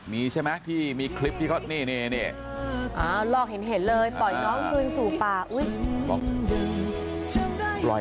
มีใช่ไหมที่มีคลิปที่เขานี่ลอกเห็นเลยปล่อยน้องคืนสู่ป่าอุ้ย